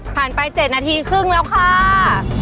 ผ่านไป๗นาทีครึ่งแล้วค่าาา